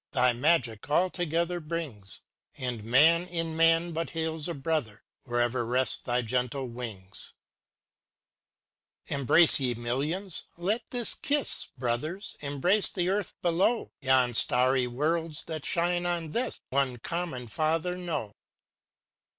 Thy magic all together brings; And man in man but hails a brother, Wherever rest thy gentle wings. Chorus â Embrace, ye millions â let this kiss. Brothers, embrace the earth below t Yon starry worlds that shine on this. One common Father know!